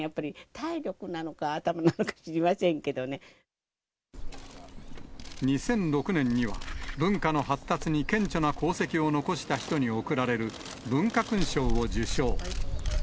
体力なの２００６年には、文化の発達に顕著な功績を残した人に贈られる文化勲章を受章。